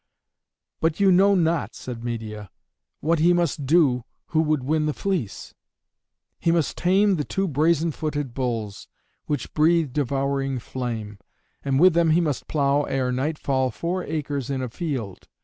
"But you know not," said Medeia, "what he must do who would win the fleece. He must tame the two brazen footed bulls, which breathe devouring flame, and with them he must plow ere nightfall four acres in a field.